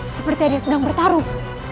seperti ada yang sedang bertaruh